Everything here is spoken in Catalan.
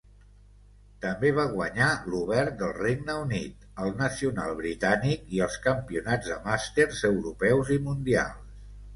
També va guanyar l'obert del Regne Unit, el nacional britànic i els campionats de màsters europeus i mundials.